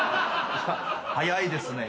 早いですね。